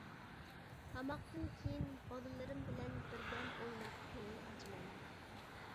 تاماقتىن كىيىن بالىلىرىم بىلەن بىردەم ئويناپ كۆڭۈل ئاچىمەن.